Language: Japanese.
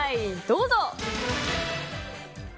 どうぞ！